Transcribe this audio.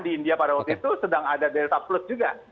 di india pada waktu itu sedang ada delta plus juga